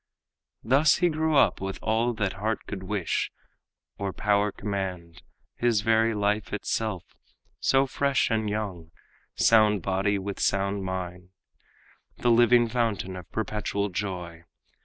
Thus he grew up with all that heart could wish Or power command; his very life itself, So fresh and young, sound body with sound mind, The living fountain of perpetual joy.